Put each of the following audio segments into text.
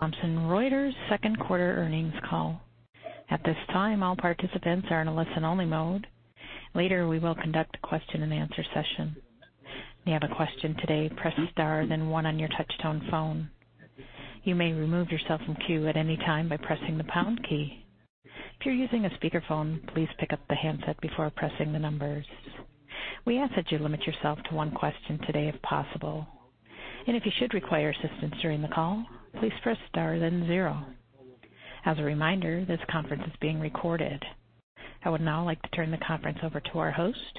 Thomson Reuters second quarter earnings call. At this time, all participants are in a listen-only mode. Later, we will conduct a question-and-answer session. If you have a question today, press star then one on your touch-tone phone. You may remove yourself from the queue at any time by pressing the pound key. If you're using a speakerphone, please pick up the handset before pressing the numbers. We ask that you limit yourself to one question today if possible, and if you should require assistance during the call, please press star then zero. As a reminder, this conference is being recorded. I would now like to turn the conference over to our host,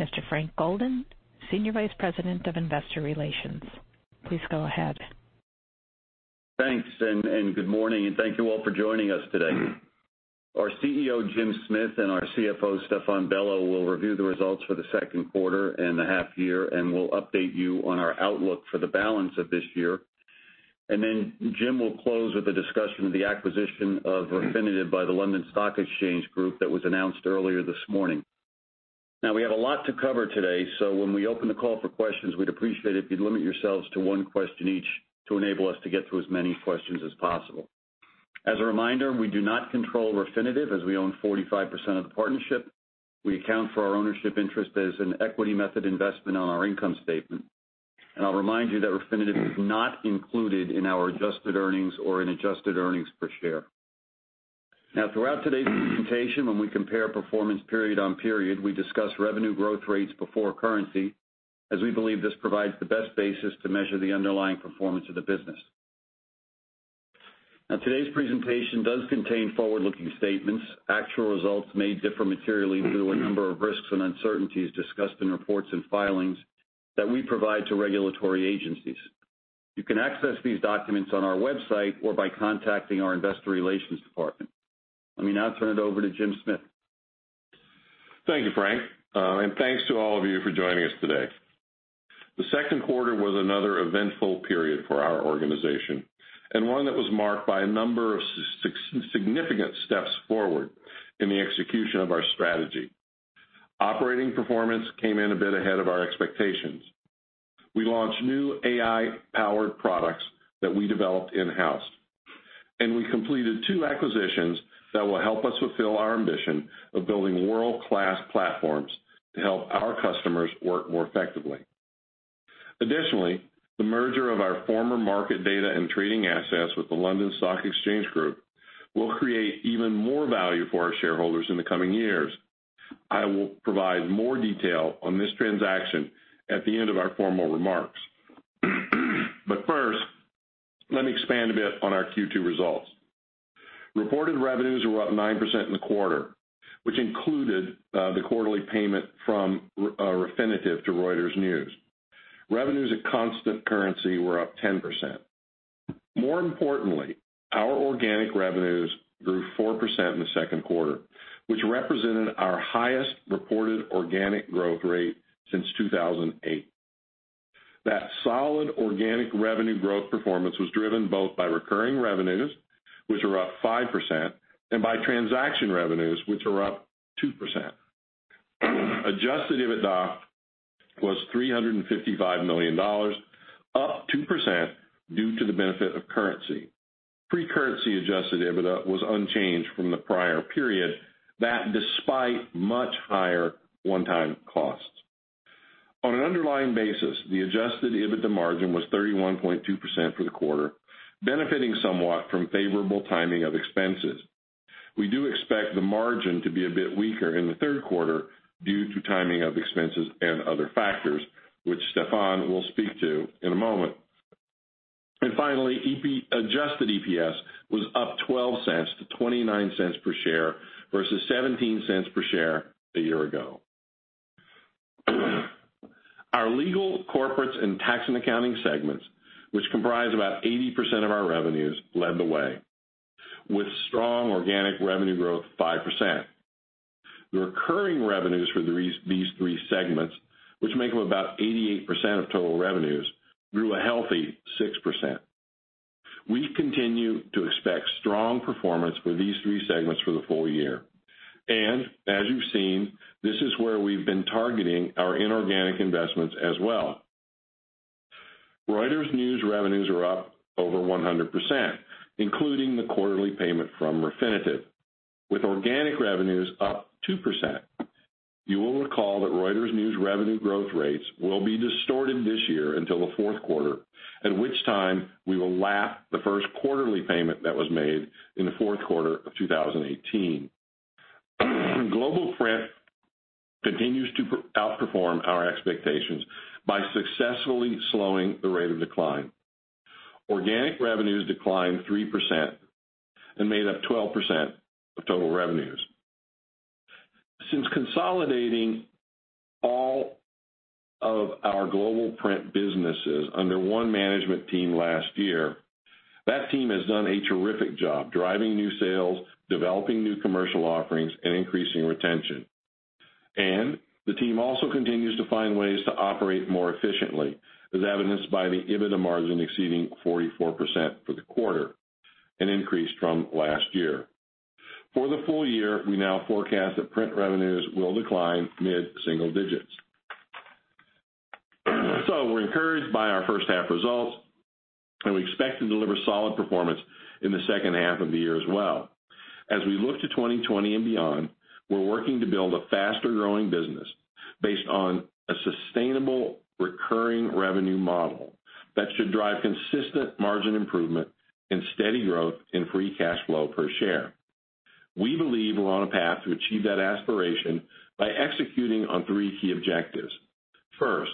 Mr. Frank Golden, Senior Vice President of Investor Relations. Please go ahead. Thanks, and good morning, and thank you all for joining us today. Our CEO, Jim Smith, and our CFO, Stéphane Bello, will review the results for the second quarter and the half-year, and we'll update you on our outlook for the balance of this year, and then Jim will close with a discussion of the acquisition of Refinitiv by the London Stock Exchange Group that was announced earlier this morning. Now, we have a lot to cover today, so when we open the call for questions, we'd appreciate it if you'd limit yourselves to one question each to enable us to get through as many questions as possible. As a reminder, we do not control Refinitiv as we own 45% of the partnership. We account for our ownership interest as an equity method investment on our income statement. I'll remind you that Refinitiv is not included in our adjusted earnings or in adjusted earnings per share. Now, throughout today's presentation, when we compare performance period on period, we discuss revenue growth rates before currency as we believe this provides the best basis to measure the underlying performance of the business. Now, today's presentation does contain forward-looking statements. Actual results may differ materially due to a number of risks and uncertainties discussed in reports and filings that we provide to regulatory agencies. You can access these documents on our website or by contacting our investor relations department. Let me now turn it over to Jim Smith. Thank you, Frank, and thanks to all of you for joining us today. The second quarter was another eventful period for our organization and one that was marked by a number of significant steps forward in the execution of our strategy. Operating performance came in a bit ahead of our expectations. We launched new AI-powered products that we developed in-house, and we completed two acquisitions that will help us fulfill our ambition of building world-class platforms to help our customers work more effectively. Additionally, the merger of our former market data and trading assets with the London Stock Exchange Group will create even more value for our shareholders in the coming years. I will provide more detail on this transaction at the end of our formal remarks, but first, let me expand a bit on our Q2 results. Reported revenues were up 9% in the quarter, which included the quarterly payment from Refinitiv to Reuters News. Revenues at constant currency were up 10%. More importantly, our organic revenues grew 4% in the second quarter, which represented our highest reported organic growth rate since 2008. That solid organic revenue growth performance was driven both by recurring revenues, which are up 5%, and by transaction revenues, which are up 2%. Adjusted EBITDA was $355 million, up 2% due to the benefit of currency. Pre-currency adjusted EBITDA was unchanged from the prior period, despite much higher one-time costs. On an underlying basis, the adjusted EBITDA margin was 31.2% for the quarter, benefiting somewhat from favorable timing of expenses. We do expect the margin to be a bit weaker in the third quarter due to timing of expenses and other factors, which Stéphane will speak to in a moment. Finally, Adjusted EPS was up $0.12 to $0.29 per share versus $0.17 per share a year ago. Our Legal, Corporates, and Tax & Accounting segments, which comprise about 80% of our revenues, led the way with strong organic revenue growth of 5%. The recurring revenues for these three segments, which make up about 88% of total revenues, grew a healthy 6%. We continue to expect strong performance for these three segments for the full year. As you've seen, this is where we've been targeting our inorganic investments as well. Reuters News revenues are up over 100%, including the quarterly payment from Refinitiv, with organic revenues up 2%. You will recall that Reuters News revenue growth rates will be distorted this year until the fourth quarter, at which time we will lap the first quarterly payment that was made in the fourth quarter of 2018. Global Print continues to outperform our expectations by successfully slowing the rate of decline. Organic revenues declined 3% and made up 12% of total revenues. Since consolidating all of our Global Print businesses under one management team last year, that team has done a terrific job driving new sales, developing new commercial offerings, and increasing retention, and the team also continues to find ways to operate more efficiently, as evidenced by the EBITDA margin exceeding 44% for the quarter, an increase from last year. For the full year, we now forecast that print revenues will decline mid-single digits, so we're encouraged by our first-half results, and we expect to deliver solid performance in the second half of the year as well. As we look to 2020 and beyond, we're working to build a faster-growing business based on a sustainable recurring revenue model that should drive consistent margin improvement and steady growth in free cash flow per share. We believe we're on a path to achieve that aspiration by executing on three key objectives. First,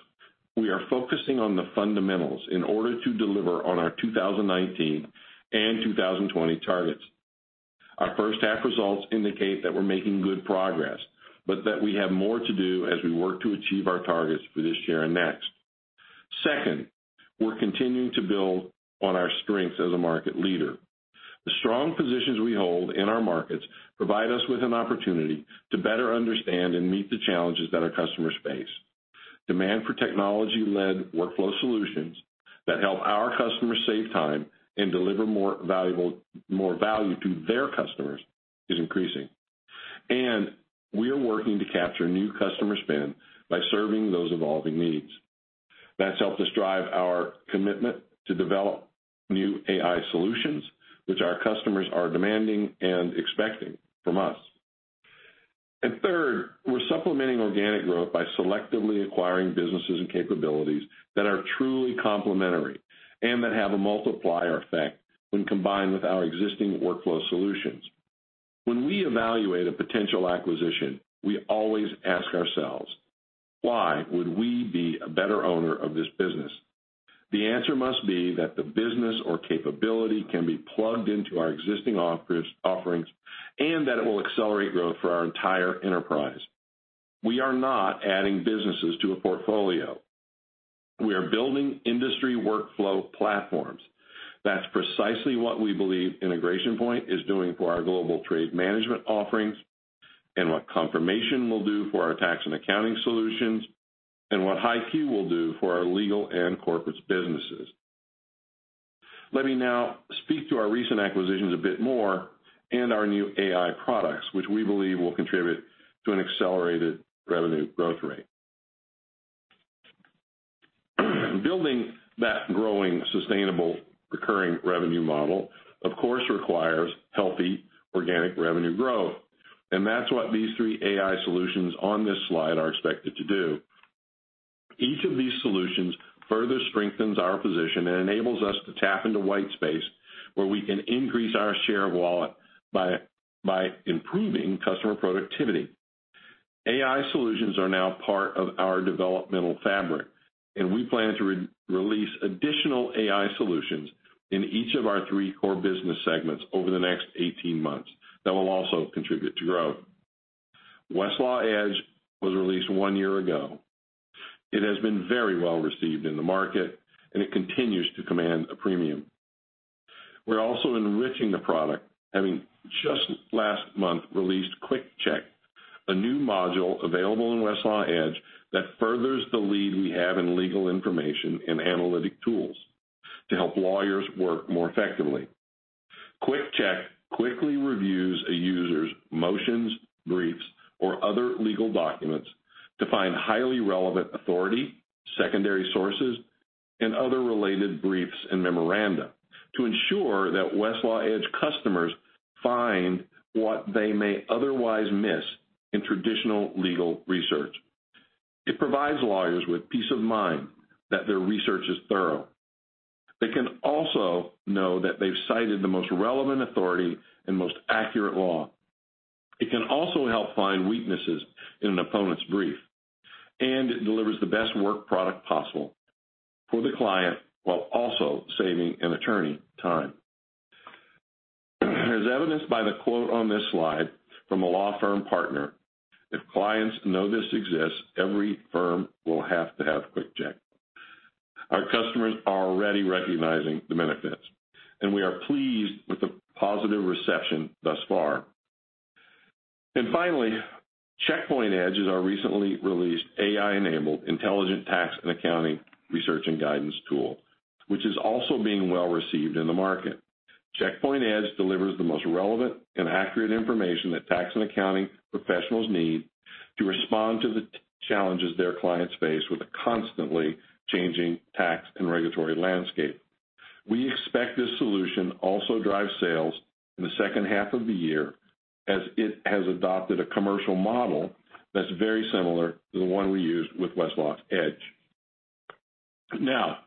we are focusing on the fundamentals in order to deliver on our 2019 and 2020 targets. Our first-half results indicate that we're making good progress, but that we have more to do as we work to achieve our targets for this year and next. Second, we're continuing to build on our strengths as a market leader. The strong positions we hold in our markets provide us with an opportunity to better understand and meet the challenges that our customers face. Demand for technology-led workflow solutions that help our customers save time and deliver more value to their customers is increasing. And we are working to capture new customer spend by serving those evolving needs. That's helped us drive our commitment to develop new AI solutions, which our customers are demanding and expecting from us. And third, we're supplementing organic growth by selectively acquiring businesses and capabilities that are truly complementary and that have a multiplier effect when combined with our existing workflow solutions. When we evaluate a potential acquisition, we always ask ourselves, "Why would we be a better owner of this business?" The answer must be that the business or capability can be plugged into our existing offerings and that it will accelerate growth for our entire enterprise. We are not adding businesses to a portfolio. We are building industry workflow platforms. That's precisely what we believe Integration Point is doing for our global trade management offerings and what Confirmation will do for our Tax & Accounting solutions and what HighQ will do for our Legal and Corporates businesses. Let me now speak to our recent acquisitions a bit more and our new AI products, which we believe will contribute to an accelerated revenue growth rate. Building that growing sustainable recurring revenue model, of course, requires healthy organic revenue growth, and that's what these three AI solutions on this slide are expected to do. Each of these solutions further strengthens our position and enables us to tap into white space where we can increase our share of wallet by improving customer productivity. AI solutions are now part of our developmental fabric, and we plan to release additional AI solutions in each of our three core business segments over the next 18 months that will also contribute to growth. Westlaw Edge was released one year ago. It has been very well received in the market, and it continues to command a premium. We're also enriching the product, having just last month released Quick Check, a new module available in Westlaw Edge that furthers the lead we have in Legal information and analytic tools to help lawyers work more effectively. Quick Check quickly reviews a user's motions, briefs, or other Legal documents to find highly relevant authority, secondary sources, and other related briefs and memoranda to ensure that Westlaw Edge customers find what they may otherwise miss in traditional Legal research. It provides lawyers with peace of mind that their research is thorough. They can also know that they've cited the most relevant authority and most accurate law. It can also help find weaknesses in an opponent's brief, and it delivers the best work product possible for the client while also saving an attorney time. As evidenced by the quote on this slide from a law firm partner, "If clients know this exists, every firm will have to have Quick Check." Our customers are already recognizing the benefits, and we are pleased with the positive reception thus far. And finally, Checkpoint Edge is our recently released AI-enabled intelligent tax and accounting research and guidance tool, which is also being well received in the market. Checkpoint Edge delivers the most relevant and accurate information that Tax & Accounting Professionals need to respond to the challenges their clients face with a constantly changing tax and regulatory landscape. We expect this solution also drives sales in the second half of the year as it has adopted a commercial model that's very similar to the one we used with Westlaw Edge. Now,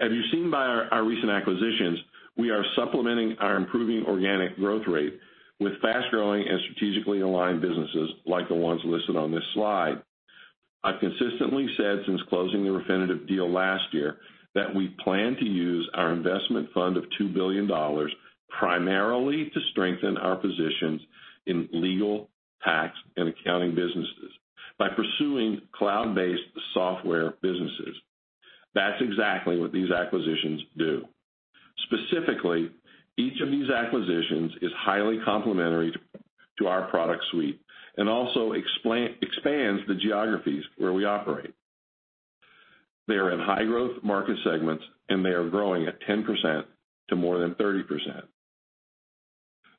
as you've seen by our recent acquisitions, we are supplementing our improving organic growth rate with fast-growing and strategically aligned businesses like the ones listed on this slide. I've consistently said since closing the Refinitiv deal last year that we plan to use our investment fund of $2 billion primarily to strengthen our positions in Legal, tax, and accounting businesses by pursuing cloud-based software businesses. That's exactly what these acquisitions do. Specifically, each of these acquisitions is highly complementary to our product suite and also expands the geographies where we operate. They are in high-growth market segments, and they are growing at 10% to more than 30%.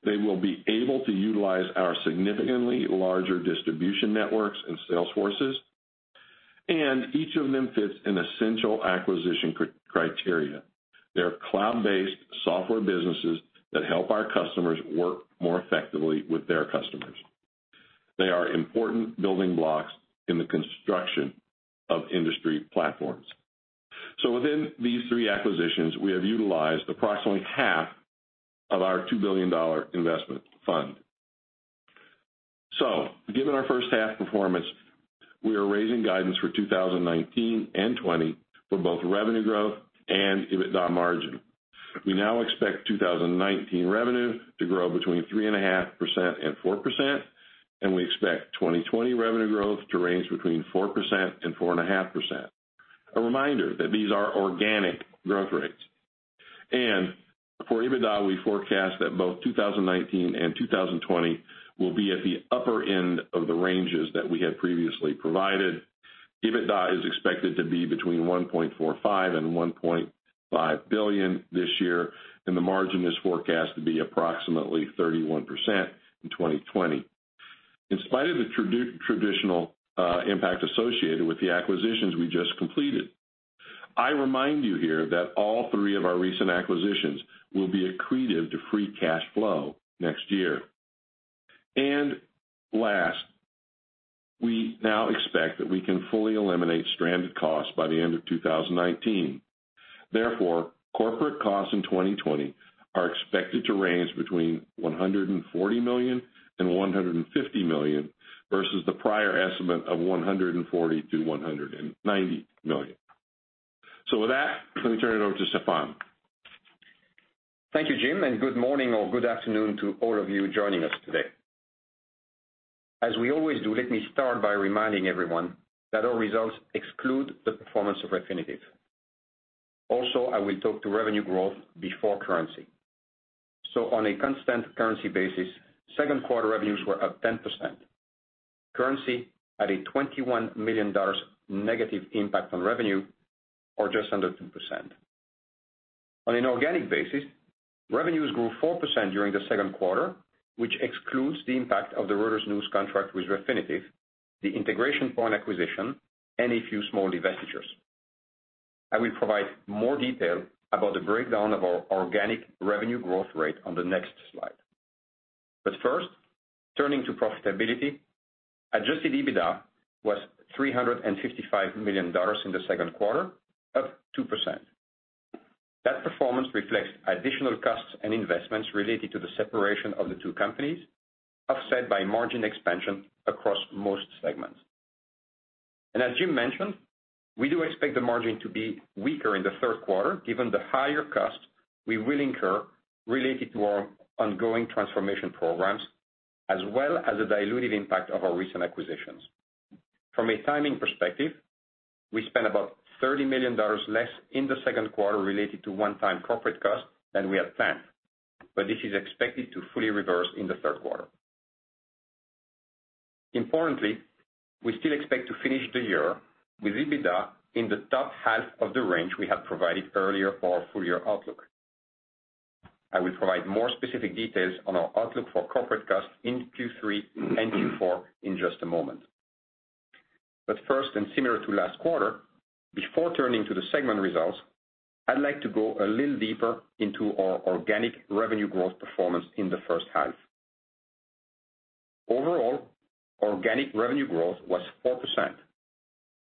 They will be able to utilize our significantly larger distribution networks and sales forces. And each of them fits an essential acquisition criteria. They are cloud-based software businesses that help our customers work more effectively with their customers. They are important building blocks in the construction of industry platforms. So within these three acquisitions, we have utilized approximately $1 billion of our $2 billion investment fund. So given our first-half performance, we are raising guidance for 2019 and 2020 for both revenue growth and EBITDA margin. We now expect 2019 revenue to grow between 3.5% and 4%, and we expect 2020 revenue growth to range between 4% and 4.5%. A reminder that these are organic growth rates. And for EBITDA, we forecast that both 2019 and 2020 will be at the upper end of the ranges that we had previously provided. EBITDA is expected to be between $1.45-$1.5 billion this year, and the margin is forecast to be approximately 31% in 2020, in spite of the traditional impact associated with the acquisitions we just completed. I remind you here that all three of our recent acquisitions will be accretive to free cash flow next year, and last, we now expect that we can fully eliminate stranded costs by the end of 2019. Therefore, corporate costs in 2020 are expected to range between $140 million and $150 million versus the prior estimate of $140-$190 million. So with that, let me turn it over to Stéphane. Thank you, Jim, and good morning or good afternoon to all of you joining us today. As we always do, let me start by reminding everyone that our results exclude the performance of Refinitiv. Also, I will talk to revenue growth before currency. So on a constant currency basis, second-quarter revenues were up 10%. Currency had a $21 million negative impact on revenue, or just under 2%. On an organic basis, revenues grew 4% during the second quarter, which excludes the impact of the Reuters News contract with Refinitiv, the Integration Point acquisition, and a few small divestitures. I will provide more detail about the breakdown of our organic revenue growth rate on the next slide. But first, turning to profitability, Adjusted EBITDA was $355 million in the second quarter, up 2%. That performance reflects additional costs and investments related to the separation of the two companies, offset by margin expansion across most segments. And as Jim mentioned, we do expect the margin to be weaker in the third quarter given the higher costs we will incur related to our ongoing transformation programs, as well as the diluted impact of our recent acquisitions. From a timing perspective, we spent about $30 million less in the second quarter related to one-time corporate costs than we had planned, but this is expected to fully reverse in the third quarter. Importantly, we still expect to finish the year with EBITDA in the top half of the range we had provided earlier for our full-year outlook. I will provide more specific details on our outlook for corporate costs in Q3 and Q4 in just a moment. But first, and similar to last quarter, before turning to the segment results, I'd like to go a little deeper into our organic revenue growth performance in the first half. Overall, organic revenue growth was 4%,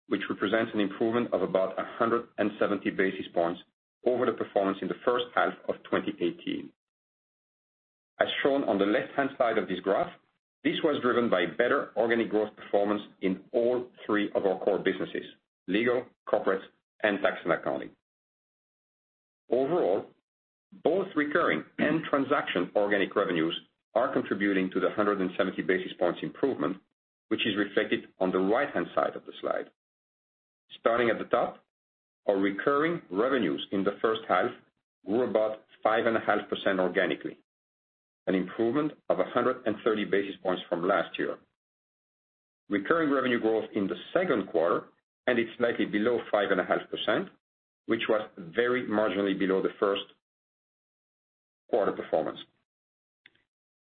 which represents an improvement of about 170 basis points over the performance in the first half of 2018. As shown on the left-hand side of this graph, this was driven by better organic growth performance in all three of our core businesses: Legal, Corporate, and Tax and Accounting. Overall, both recurring and transaction organic revenues are contributing to the 170 basis points improvement, which is reflected on the right-hand side of the slide. Starting at the top, our recurring revenues in the first half grew about 5.5% organically, an improvement of 130 basis points from last year. Recurring revenue growth in the second quarter ended slightly below 5.5%, which was very marginally below the first quarter performance.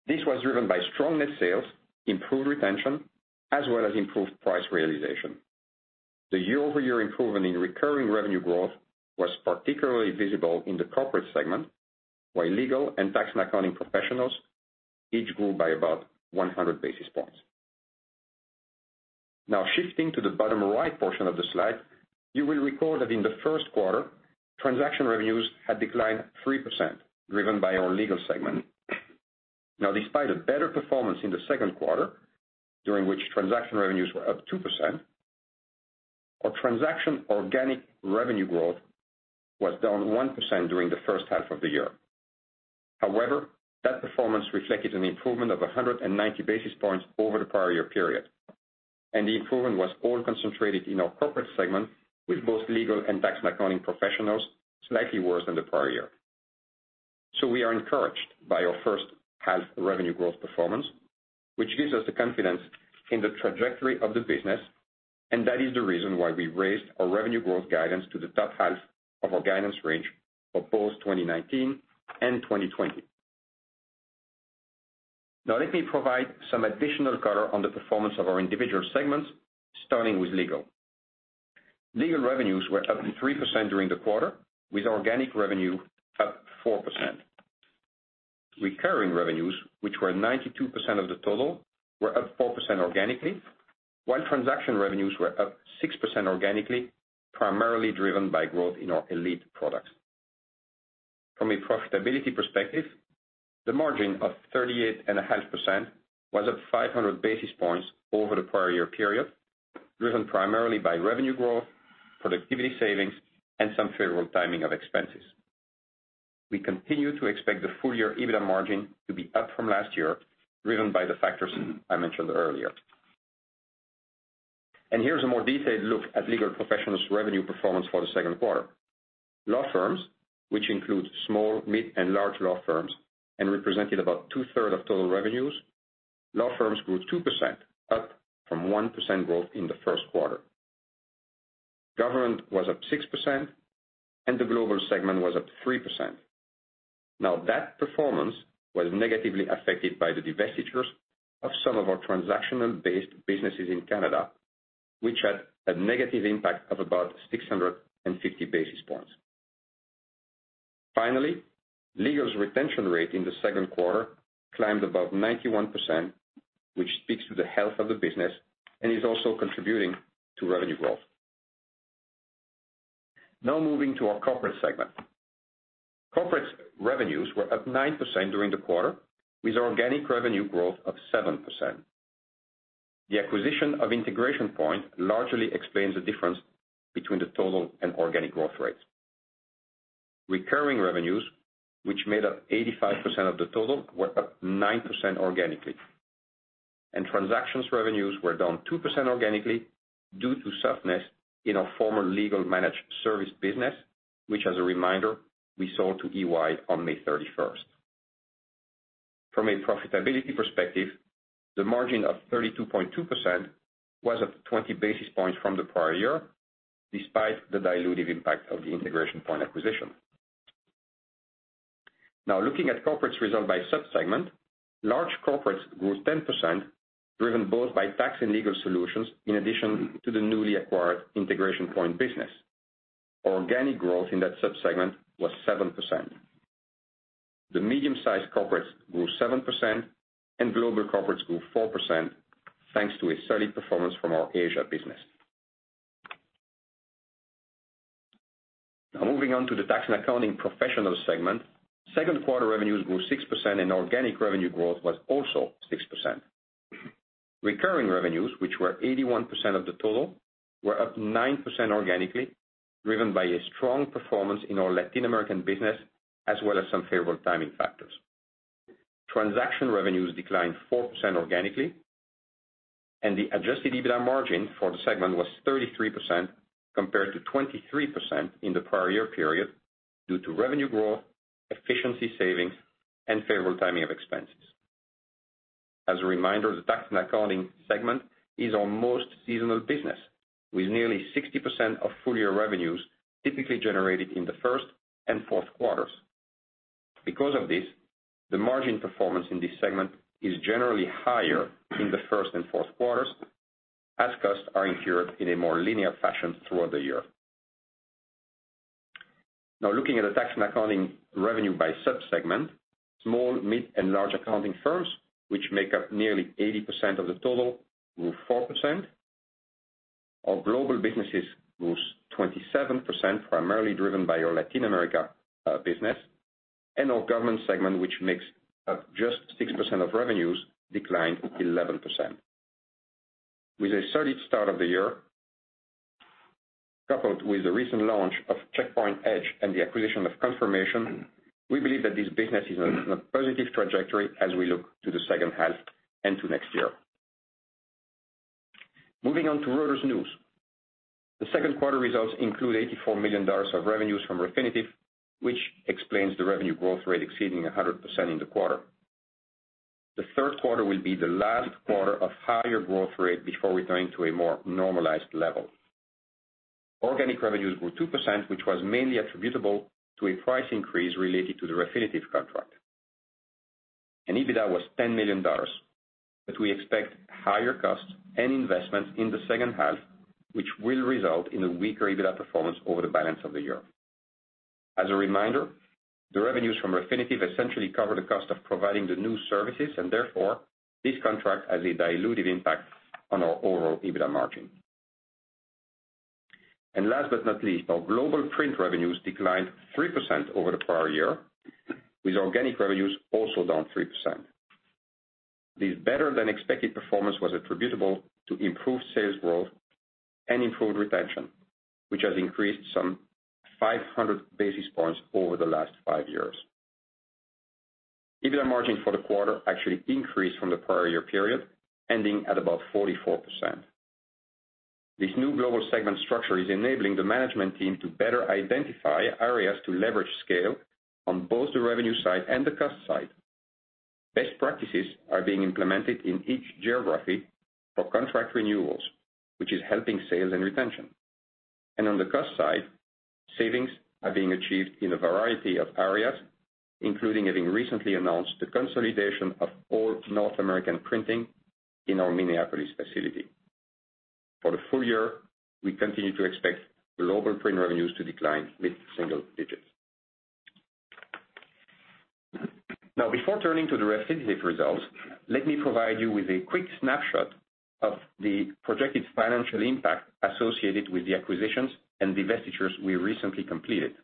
This was driven by strong net sales, improved retention, as well as improved price realization. The year-over-year improvement in recurring revenue growth was particularly visible in the corporate segment, while Legal and tax and accounting professionals each grew by about 100 basis points. Now, shifting to the bottom right portion of the slide, you will recall that in the first quarter, transaction revenues had declined 3%, driven by our Legal segment. Now, despite a better performance in the second quarter, during which transaction revenues were up 2%, our transaction organic revenue growth was down 1% during the first half of the year. However, that performance reflected an improvement of 190 basis points over the prior year period. And the improvement was all concentrated in our corporate segment, with both Legal and tax and accounting professionals slightly worse than the prior year. So we are encouraged by our first-half revenue growth performance, which gives us the confidence in the trajectory of the business, and that is the reason why we raised our revenue growth guidance to the top half of our guidance range for both 2019 and 2020. Now, let me provide some additional color on the performance of our individual segments, starting with Legal. Legal revenues were up 3% during the quarter, with organic revenue up 4%. Recurring revenues, which were 92% of the total, were up 4% organically, while transaction revenues were up 6% organically, primarily driven by growth in our Elite products. From a profitability perspective, the margin of 38.5% was up 500 basis points over the prior year period, driven primarily by revenue growth, productivity savings, and some favorable timing of expenses. We continue to expect the full-year EBITDA margin to be up from last year, driven by the factors I mentioned earlier. Here's a more detailed look at Legal professionals' revenue performance for the second quarter. Law firms, which include small, mid, and large law firms, represented about two-thirds of total revenues. Law firms grew 2%, up from 1% growth in the first quarter. Government was up 6%, and the Global segment was up 3%. Now, that performance was negatively affected by the divestitures of some of our transactional-based businesses in Canada, which had a negative impact of about 650 basis points. Finally, Legal's retention rate in the second quarter climbed above 91%, which speaks to the health of the business and is also contributing to revenue growth. Now, moving to our Corporate segment. Corporate revenues were up 9% during the quarter, with organic revenue growth of 7%. The acquisition of Integration Point largely explains the difference between the total and organic growth rates. Recurring revenues, which made up 85% of the total, were up 9% organically. Transactions revenues were down 2% organically due to softness in our former Legal Managed Services business, which, as a reminder, we sold to EY on May 31st. From a profitability perspective, the margin of 32.2% was up 20 basis points from the prior year, despite the diluted impact of the Integration Point acquisition. Now, looking at corporates results by subsegment, large corporates grew 10%, driven both by Tax and Legal solutions, in addition to the newly acquired Integration Point business. Organic growth in that subsegment was 7%. The medium-sized corporates grew 7%, and global corporates grew 4%, thanks to a solid performance from our Asia business. Now, moving on to the tax and accounting professionals segment, second-quarter revenues grew 6%, and organic revenue growth was also 6%. Recurring revenues, which were 81% of the total, were up 9% organically, driven by a strong performance in our Latin American business, as well as some favorable timing factors. Transaction revenues declined 4% organically, and the Adjusted EBITDA margin for the segment was 33% compared to 23% in the prior year period, due to revenue growth, efficiency savings, and favorable timing of expenses. As a reminder, the tax and accounting segment is our most seasonal business, with nearly 60% of full-year revenues typically generated in the first and fourth quarters. Because of this, the margin performance in this segment is generally higher in the first and fourth quarters, as costs are incurred in a more linear fashion throughout the year. Now, looking at the tax and accounting revenue by subsegment, small, mid, and large accounting firms, which make up nearly 80% of the total, grew 4%. Our global businesses grew 27%, primarily driven by our Latin America business, and our government segment, which makes up just six% of revenues, declined 11%. With a solid start of the year, coupled with the recent launch of Checkpoint Edge and the acquisition of Confirmation, we believe that this business is on a positive trajectory as we look to the second half and to next year. Moving on to Reuters News. The second-quarter results include $84 million of revenues from Refinitiv, which explains the revenue growth rate exceeding 100% in the quarter. The third quarter will be the last quarter of higher growth rate before returning to a more normalized level. Organic revenues grew 2%, which was mainly attributable to a price increase related to the Refinitiv contract. EBITDA was $10 million, but we expect higher costs and investments in the second half, which will result in a weaker EBITDA performance over the balance of the year. As a reminder, the revenues from Refinitiv essentially cover the cost of providing the new services, and therefore, this contract has a diluted impact on our overall EBITDA margin. Last but not least, our global print revenues declined 3% over the prior year, with organic revenues also down 3%. This better-than-expected performance was attributable to improved sales growth and improved retention, which has increased some 500 basis points over the last five years. EBITDA margin for the quarter actually increased from the prior year period, ending at about 44%. This new global segment structure is enabling the management team to better identify areas to leverage scale on both the revenue side and the cost side. Best practices are being implemented in each geography for contract renewals, which is helping sales and retention, and on the cost side, savings are being achieved in a variety of areas, including having recently announced the consolidation of all North American printing in our Minneapolis facility. For the full year, we continue to expect global print revenues to decline in single digits. Now, before turning to the Refinitiv results, let me provide you with a quick snapshot of the projected financial impact associated with the acquisitions and divestitures we recently completed.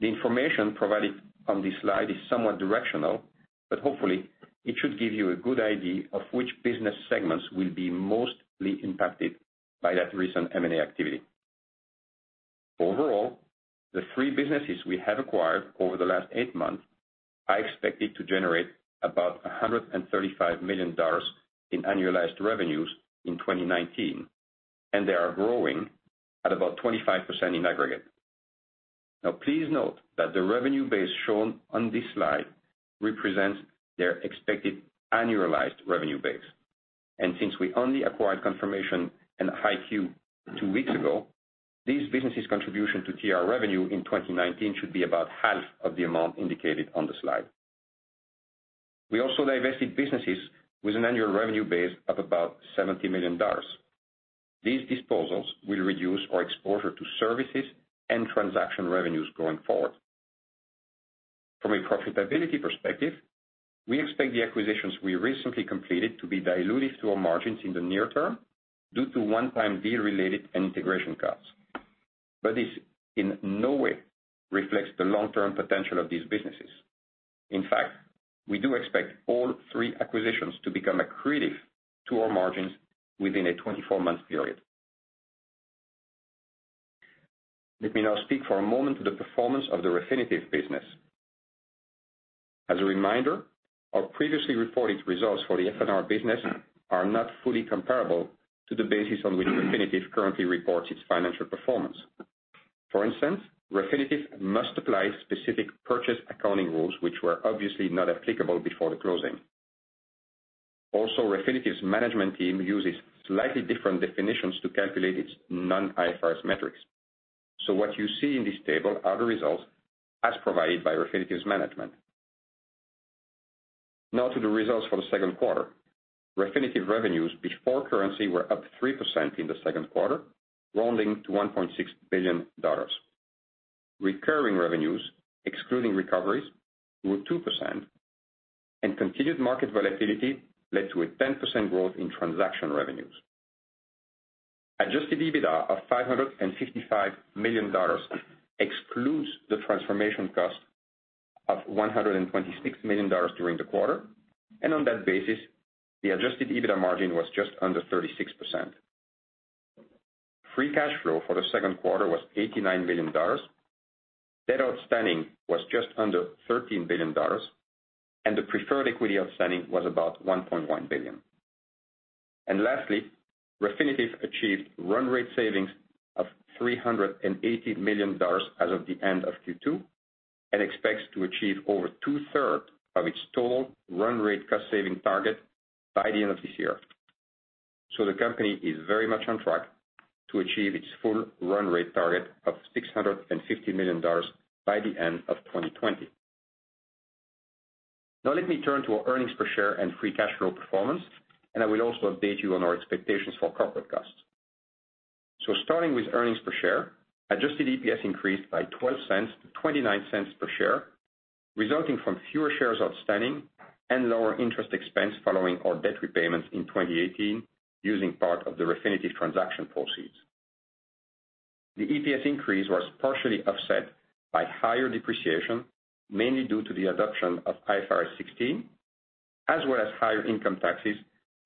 The information provided on this slide is somewhat directional, but hopefully, it should give you a good idea of which business segments will be mostly impacted by that recent M&A activity. Overall, the three businesses we have acquired over the last eight months are expected to generate about $135 million in annualized revenues in 2019, and they are growing at about 25% in aggregate. Now, please note that the revenue base shown on this slide represents their expected annualized revenue base. And since we only acquired Confirmation and HighQ two weeks ago, these businesses' contribution to TR revenue in 2019 should be about half of the amount indicated on the slide. We also divested businesses with an annual revenue base of about $70 million. These disposals will reduce our exposure to services and transaction revenues going forward. From a profitability perspective, we expect the acquisitions we recently completed to be diluted to our margins in the near term due to one-time deal-related and integration costs. But this in no way reflects the long-term potential of these businesses. In fact, we do expect all three acquisitions to become accretive to our margins within a 24-month period. Let me now speak for a moment to the performance of the Refinitiv business. As a reminder, our previously reported results for the F&R business are not fully comparable to the basis on which Refinitiv currently reports its financial performance. For instance, Refinitiv must apply specific purchase accounting rules, which were obviously not applicable before the closing. Also, Refinitiv's management team uses slightly different definitions to calculate its non-IFRS metrics. So what you see in this table are the results as provided by Refinitiv's management. Now to the results for the second quarter. Refinitiv revenues before currency were up 3% in the second quarter, rounding to $1.6 billion. Recurring revenues, excluding recoveries, grew 2%, and continued market volatility led to a 10% growth in transaction revenues. Adjusted EBITDA of $555 million excludes the transformation cost of $126 million during the quarter, and on that basis, the adjusted EBITDA margin was just under 36%. Free cash flow for the second quarter was $89 million. Debt outstanding was just under $13 billion, and the preferred equity outstanding was about $1.1 billion. And lastly, Refinitiv achieved run rate savings of $380 million as of the end of Q2 and expects to achieve over two-thirds of its total run rate cost saving target by the end of this year. So the company is very much on track to achieve its full run rate target of $650 million by the end of 2020. Now, let me turn to our earnings per share and free cash flow performance, and I will also update you on our expectations for corporate costs. Starting with earnings per share, adjusted EPS increased by $0.12 to $0.29 per share, resulting from fewer shares outstanding and lower interest expense following our debt repayments in 2018 using part of the Refinitiv transaction proceeds. The EPS increase was partially offset by higher depreciation, mainly due to the adoption of IFRS 16, as well as higher income taxes,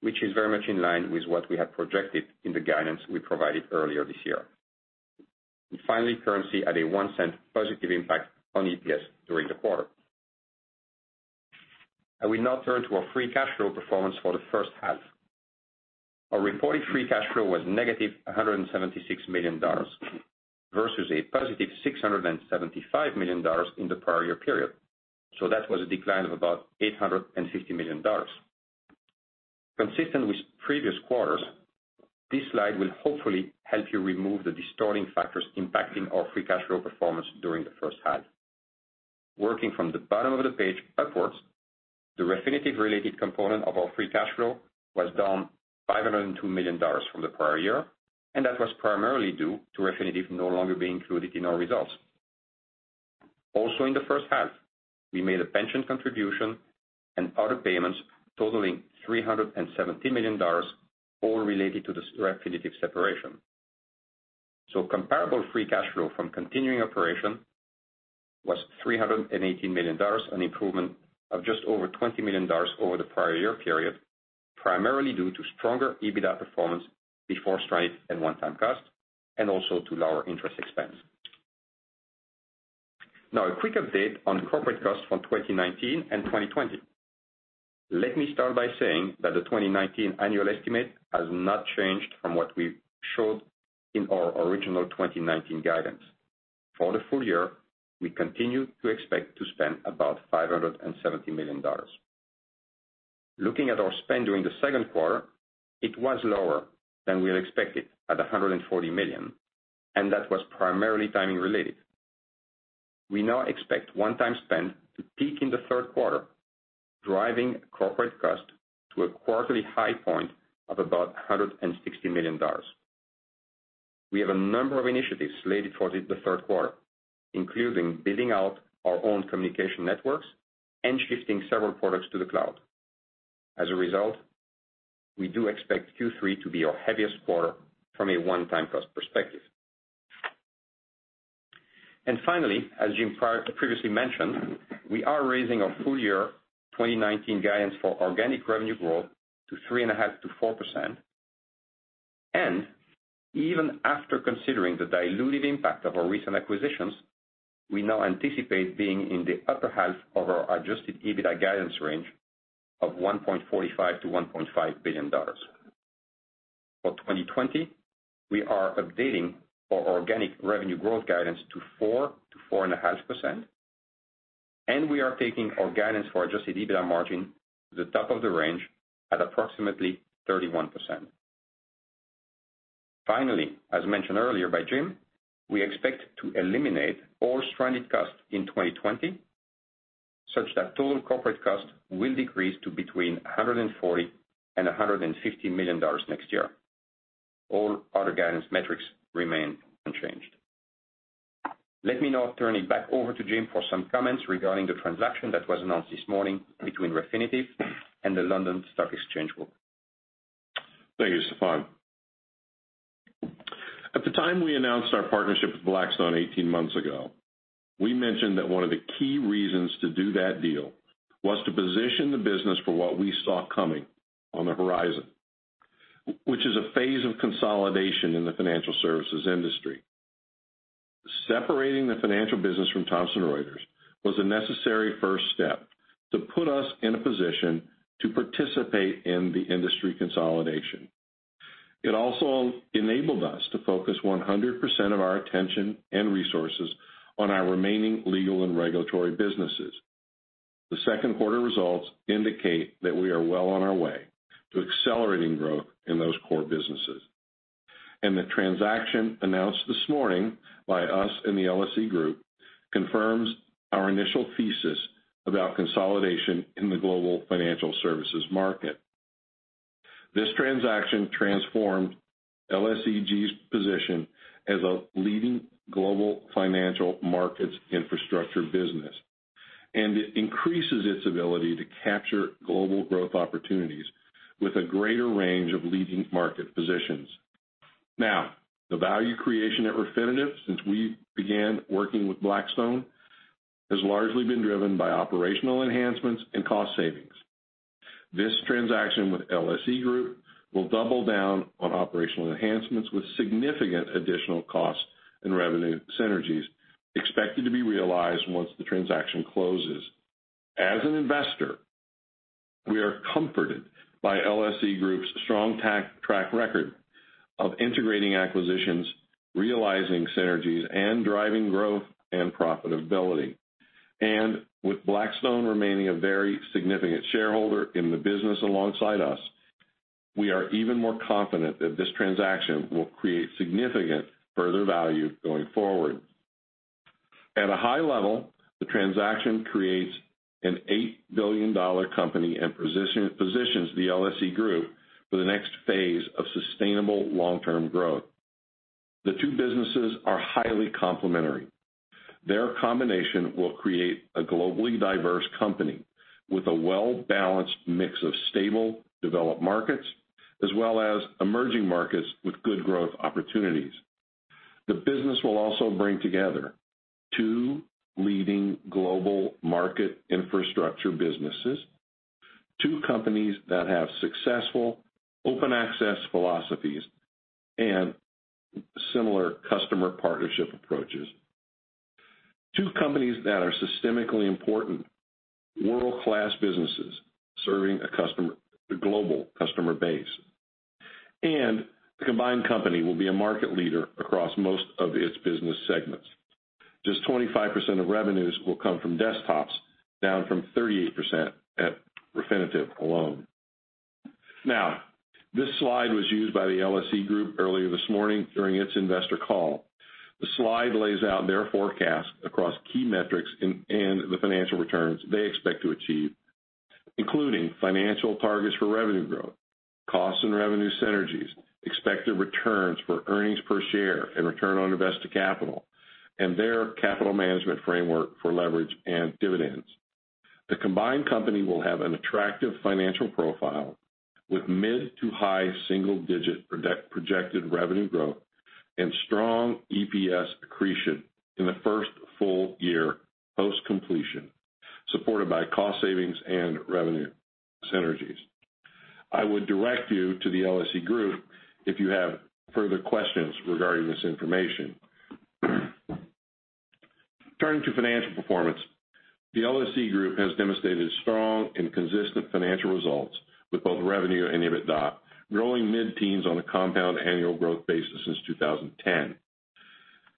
which is very much in line with what we had projected in the guidance we provided earlier this year. And finally, currency had a $0.01 positive impact on EPS during the quarter. I will now turn to our free cash flow performance for the first half. Our reported free cash flow was negative $176 million versus a positive $675 million in the prior year period. So that was a decline of about $850 million. Consistent with previous quarters, this slide will hopefully help you remove the distorting factors impacting our free cash flow performance during the first half. Working from the bottom of the page upwards, the Refinitiv-related component of our free cash flow was down $502 million from the prior year, and that was primarily due to Refinitiv no longer being included in our results. Also, in the first half, we made a pension contribution and other payments totaling $370 million, all related to the Refinitiv separation. Comparable free cash flow from continuing operations was $318 million, an improvement of just over $20 million over the prior year period, primarily due to stronger EBITDA performance before stranded and one-time costs, and also to lower interest expense. Now, a quick update on corporate costs for 2019 and 2020. Let me start by saying that the 2019 annual estimate has not changed from what we showed in our original 2019 guidance. For the full year, we continue to expect to spend about $570 million. Looking at our spend during the second quarter, it was lower than we expected at $140 million, and that was primarily timing-related. We now expect one-time spend to peak in the third quarter, driving corporate cost to a quarterly high point of about $160 million. We have a number of initiatives slated for the third quarter, including building out our own communication networks and shifting several products to the cloud. As a result, we do expect Q3 to be our heaviest quarter from a one-time cost perspective. Finally, as Jim previously mentioned, we are raising our full-year 2019 guidance for organic revenue growth to 3.5%-4%. Even after considering the diluted impact of our recent acquisitions, we now anticipate being in the upper half of our adjusted EBITDA guidance range of $1.45-$1.5 billion. For 2020, we are updating our organic revenue growth guidance to 4-4.5%, and we are taking our guidance for adjusted EBITDA margin to the top of the range at approximately 31%. Finally, as mentioned earlier by Jim, we expect to eliminate all stranded costs in 2020, such that total corporate cost will decrease to between $140 and $150 million next year. All other guidance metrics remain unchanged. Let me now turn it back over to Jim for some comments regarding the transaction that was announced this morning between Refinitiv and the London Stock Exchange Group. Thank you, Stephane. At the time we announced our partnership with Blackstone 18 months ago, we mentioned that one of the key reasons to do that deal was to position the business for what we saw coming on the horizon, which is a phase of consolidation in the financial services industry. Separating the financial business from Thomson Reuters was a necessary first step to put us in a position to participate in the industry consolidation. It also enabled us to focus 100% of our attention and resources on our remaining legal and regulatory businesses. The second quarter results indicate that we are well on our way to accelerating growth in those core businesses. The transaction announced this morning by us and the LSEG confirms our initial thesis about consolidation in the global financial services market. This transaction transformed LSEG's position as a leading global financial markets infrastructure business, and it increases its ability to capture global growth opportunities with a greater range of leading market positions. Now, the value creation at Refinitiv since we began working with Blackstone has largely been driven by operational enhancements and cost savings. This transaction with LSEG will double down on operational enhancements with significant additional cost and revenue synergies expected to be realized once the transaction closes. As an investor, we are comforted by LSEG's strong track record of integrating acquisitions, realizing synergies, and driving growth and profitability, and with Blackstone remaining a very significant shareholder in the business alongside us, we are even more confident that this transaction will create significant further value going forward. At a high level, the transaction creates an $8 billion company and positions the LSE Group for the next phase of sustainable long-term growth. The two businesses are highly complementary. Their combination will create a globally diverse company with a well-balanced mix of stable developed markets as well as emerging markets with good growth opportunities. The business will also bring together two leading global market infrastructure businesses, two companies that have successful open access philosophies and similar customer partnership approaches, two companies that are systemically important, world-class businesses serving a global customer base, and the combined company will be a market leader across most of its business segments. Just 25% of revenues will come from desktops, down from 38% at Refinitiv alone. Now, this slide was used by the LSE Group earlier this morning during its investor call. The slide lays out their forecast across key metrics and the financial returns they expect to achieve, including financial targets for revenue growth, cost and revenue synergies, expected returns for earnings per share and return on invested capital, and their capital management framework for leverage and dividends. The combined company will have an attractive financial profile with mid- to high single-digit projected revenue growth and strong EPS accretion in the first full year post-completion, supported by cost savings and revenue synergies. I would direct you to the LSEG if you have further questions regarding this information. Turning to financial performance, the LSEG has demonstrated strong and consistent financial results with both revenue and EBITDA growing mid-teens on a compound annual growth basis since 2010.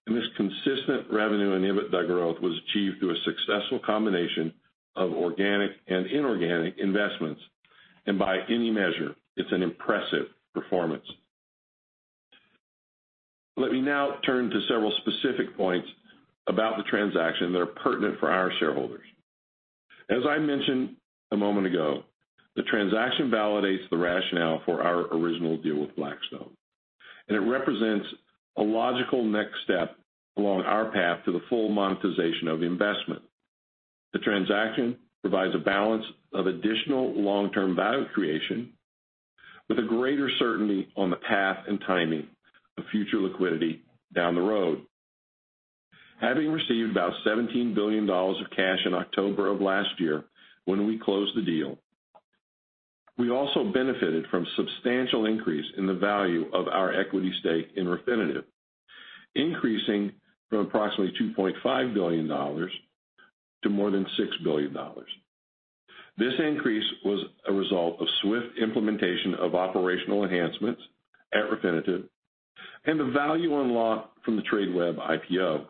This consistent revenue and EBITDA growth was achieved through a successful combination of organic and inorganic investments, and by any measure, it's an impressive performance. Let me now turn to several specific points about the transaction that are pertinent for our shareholders. As I mentioned a moment ago, the transaction validates the rationale for our original deal with Blackstone. It represents a logical next step along our path to the full monetization of investment. The transaction provides a balance of additional long-term value creation with a greater certainty on the path and timing of future liquidity down the road. Having received about $17 billion of cash in October of last year when we closed the deal, we also benefited from a substantial increase in the value of our equity stake in Refinitiv, increasing from approximately $2.5 billion to more than $6 billion. This increase was a result of swift implementation of operational enhancements at Refinitiv and the value unlocked from the Tradeweb IPO.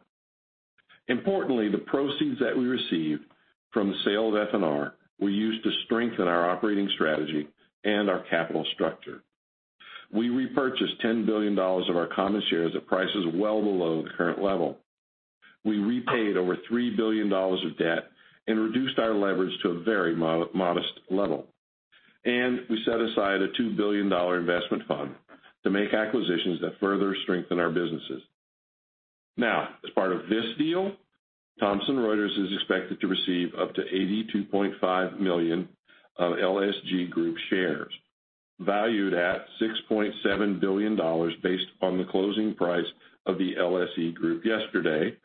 Importantly, the proceeds that we received from the sale of F&R were used to strengthen our operating strategy and our capital structure. We repurchased $10 billion of our common shares at prices well below the current level. We repaid over $3 billion of debt and reduced our leverage to a very modest level. And we set aside a $2 billion investment fund to make acquisitions that further strengthen our businesses. Now, as part of this deal, Thomson Reuters is expected to receive up to 82.5 million of LSEG shares, valued at $6.7 billion based on the closing price of the LSEG yesterday.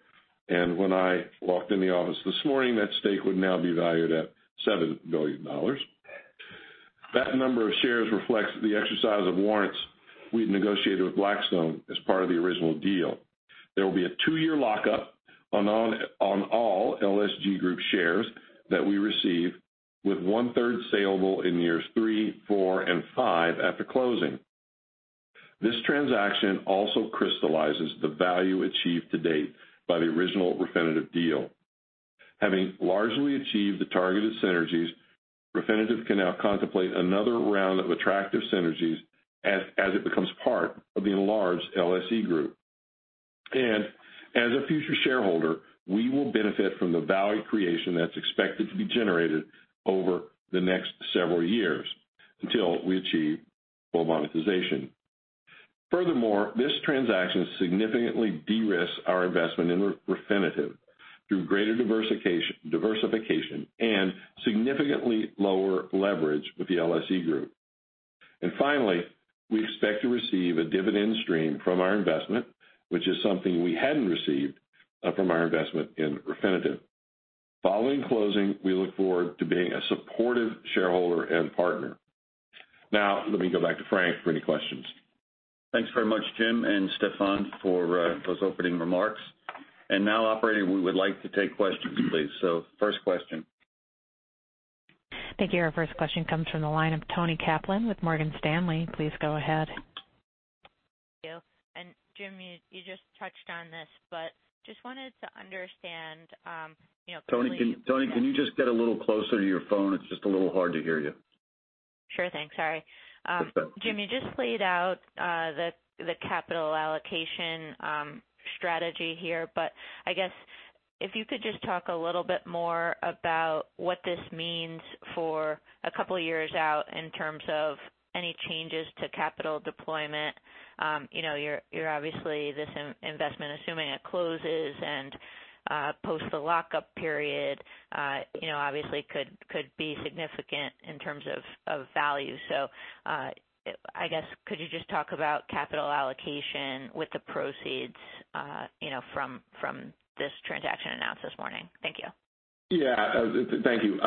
And when I walked in the office this morning, that stake would now be valued at $7 billion. That number of shares reflects the exercise of warrants we'd negotiated with Blackstone as part of the original deal. There will be a two-year lockup on all LSE Group shares that we receive, with one-third saleable in years three, four, and five after closing. This transaction also crystallizes the value achieved to date by the original Refinitiv deal. Having largely achieved the targeted synergies, Refinitiv can now contemplate another round of attractive synergies as it becomes part of the enlarged LSE Group. And as a future shareholder, we will benefit from the value creation that's expected to be generated over the next several years until we achieve full monetization. Furthermore, this transaction significantly de-risked our investment in Refinitiv through greater diversification and significantly lower leverage with the LSE Group. And finally, we expect to receive a dividend stream from our investment, which is something we hadn't received from our investment in Refinitiv. Following closing, we look forward to being a supportive shareholder and partner. Now, let me go back to Frank for any questions. Thanks very much, Jim and Stéphane for those opening remarks. And now, operator, we would like to take questions, please. So first question. Thank you. Our first question comes from the line of Toni Kaplan with Morgan Stanley. Please go ahead. Thank you. And Jim, you just touched on this, but just wanted to understand. Toni, can you just get a little closer to your phone? It's just a little hard to hear you. Sure thing. Sorry. Jim, you just laid out the capital allocation strategy here, but I guess if you could just talk a little bit more about what this means for a couple of years out in terms of any changes to capital deployment. You're obviously this investment, assuming it closes and post the lockup period, obviously could be significant in terms of value. So I guess could you just talk about capital allocation with the proceeds from this transaction announced this morning? Thank you. Yeah. Thank you.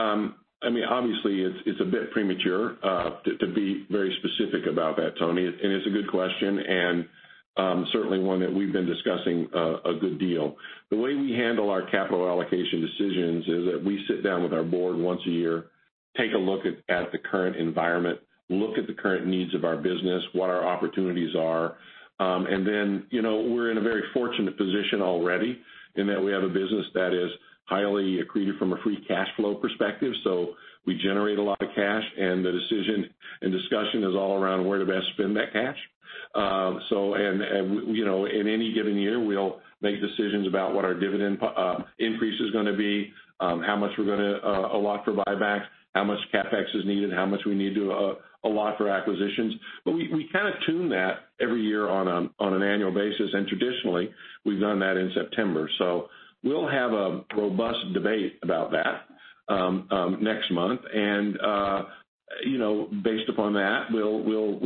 I mean, obviously, it's a bit premature to be very specific about that, Toni. And it's a good question and certainly one that we've been discussing a good deal. The way we handle our capital allocation decisions is that we sit down with our board once a year, take a look at the current environment, look at the current needs of our business, what our opportunities are, and then we're in a very fortunate position already in that we have a business that is highly accretive from a free cash flow perspective, so we generate a lot of cash, and the decision and discussion is all around where to best spend that cash, and in any given year, we'll make decisions about what our dividend increase is going to be, how much we're going to allot for buybacks, how much CapEx is needed, how much we need to allot for acquisitions, but we kind of tune that every year on an annual basis, and traditionally, we've done that in September. So we'll have a robust debate about that next month. And based upon that, we'll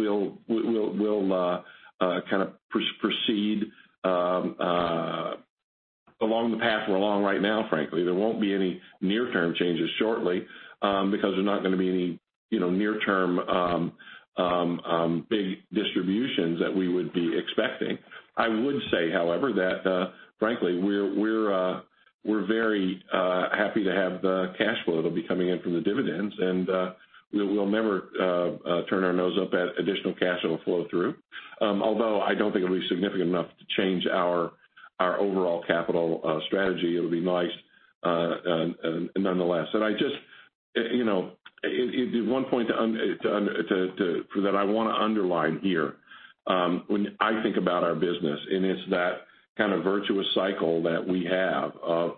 kind of proceed along the path we're along right now, frankly. There won't be any near-term changes shortly because there's not going to be any near-term big distributions that we would be expecting. I would say, however, that frankly, we're very happy to have the cash flow that'll be coming in from the dividends, and we'll never turn our nose up at additional cash that'll flow through. Although I don't think it'll be significant enough to change our overall capital strategy, it'll be nice nonetheless. And I just want to make one point that I want to underline here, when I think about our business, and it's that kind of virtuous cycle that we have of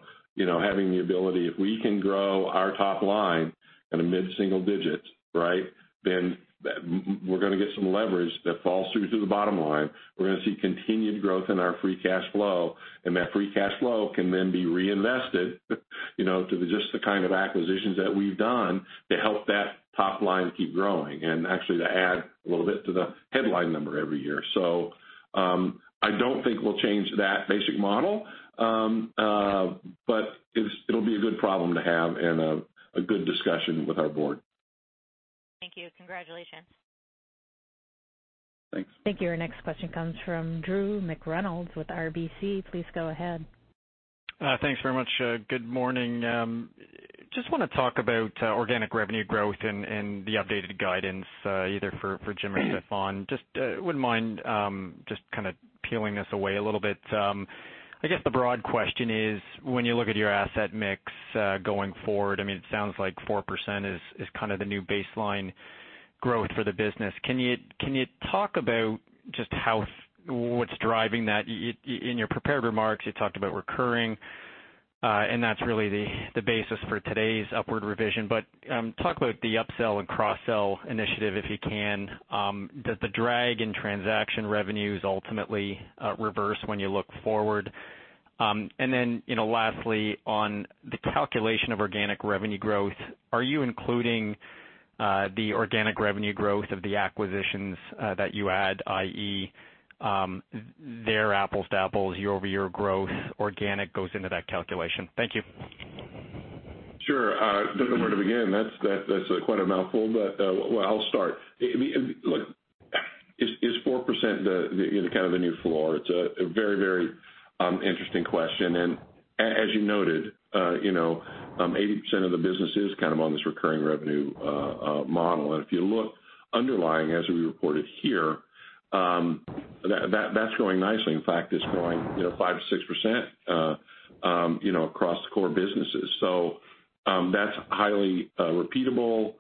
having the ability if we can grow our top line at a mid-single-digit, right, then we're going to get some leverage that falls through to the bottom line. We're going to see continued growth in our free cash flow, and that free cash flow can then be reinvested to just the kind of acquisitions that we've done to help that top line keep growing and actually to add a little bit to the headline number every year, so I don't think we'll change that basic model, but it'll be a good problem to have and a good discussion with our board. Thank you. Congratulations. Thanks. Thank you. Our next question comes from Drew McReynolds with RBC. Please go ahead. Thanks very much. Good morning. Just want to talk about organic revenue growth and the updated guidance either for Jim or Stephane. Just wouldn't mind just kind of peeling this away a little bit. I guess the broad question is, when you look at your asset mix going forward, I mean, it sounds like 4% is kind of the new baseline growth for the business. Can you talk about just what's driving that? In your prepared remarks, you talked about recurring, and that's really the basis for today's upward revision. But talk about the upsell and cross-sell initiative if you can. Does the drag in transaction revenues ultimately reverse when you look forward? And then lastly, on the calculation of organic revenue growth, are you including the organic revenue growth of the acquisitions that you add, i.e., their apples to apples, year-over-year growth, organic goes into that calculation? Thank you. Sure. Don't know where to begin. That's quite a mouthful, but I'll start. Is 4% kind of the new floor? It's a very, very interesting question. And as you noted, 80% of the business is kind of on this recurring revenue model. And if you look underlying, as we reported here, that's growing nicely. In fact, it's growing 5%-6% across the core businesses. So that's highly repeatable.